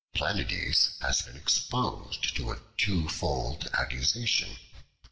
Planudes has been exposed to a two fold accusation.